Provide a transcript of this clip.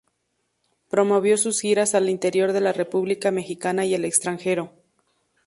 Promovió sus giras al interior de la república mexicana y el extranjero.